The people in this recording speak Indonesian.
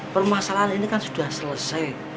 permasalahan ini kan sudah selesai